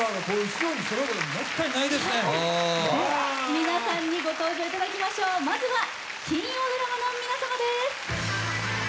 皆さんにご登場いただきましょう、まずは金曜ドラマの皆様です。